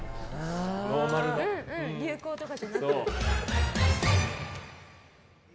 流行とかじゃなくて。